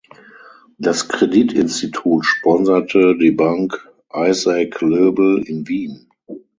Das Kreditinstitut sponserte die Bank "Isac Löbel" in Wien.